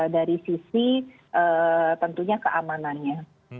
dari sisi tentunya keamanannya